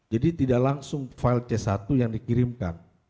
jadi tidak langsung file c satu yang dikirimkan